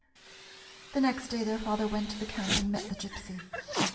The next day their father went to the camp and met the Gypsy.